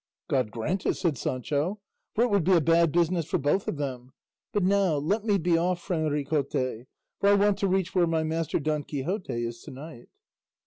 "God grant it," said Sancho, "for it would be a bad business for both of them; but now let me be off, friend Ricote, for I want to reach where my master Don Quixote is to night."